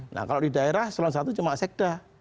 nah kalau di daerah eselon i cuma sekda